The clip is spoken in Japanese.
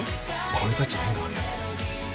俺達縁があるよね